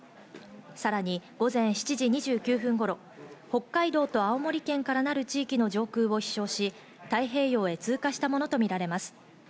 さらに午前７時２９分頃、北海道と青森県からなる地域の上空を飛翔し、太平洋へ通過したものとみられます。